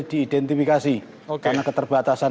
diidentifikasi karena keterbatasan